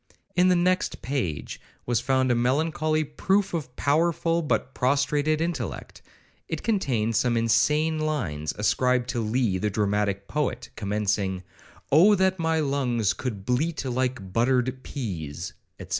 In the next page was found a melancholy proof of powerful but prostrated intellect. It contained some insane lines, ascribed to Lee the dramatic poet, commencing, 'O that my lungs could bleat like buttered pease,' &c.